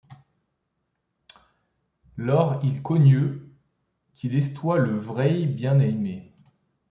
Lors il cogneut qu’il estoyt le vray bien aymé.